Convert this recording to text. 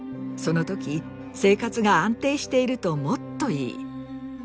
その時生活が安定しているともっといい。